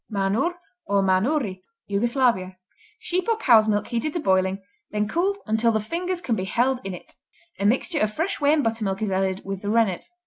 Manur, or Manuri Yugoslavia Sheep or cow's milk heated to boiling, then cooled "until the fingers can be held in it". A mixture of fresh whey and buttermilk is added with the rennet.